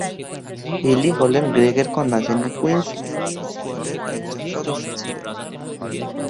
হিলি হলেন গ্রেগ এর কন্যা যিনি কুইন্সল্যান্ড স্কোয়াডের একজন সদস্য ছিলেন।